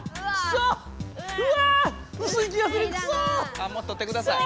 あもうとってください。